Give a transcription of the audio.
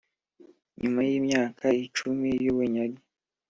nyuma yimyaka icumi yubunyage